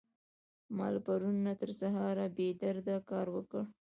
ما له پرون نه تر سهاره بې درده کار وکړ.